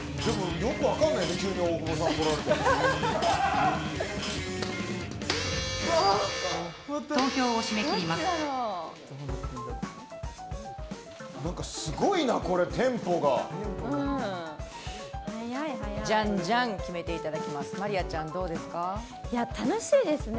よく分からないですよね